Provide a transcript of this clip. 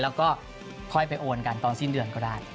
แล้วก็ค่อยไปโอนกันตอนสิ้นเดือนก็ได้